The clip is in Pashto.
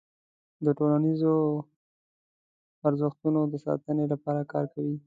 د ټولنیزو ارزښتونو د ساتنې لپاره کار کوي.